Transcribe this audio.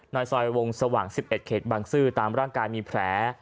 ในซอยวงสว่าง๑๑เขตบางซื่อตามร่างกายมีแผล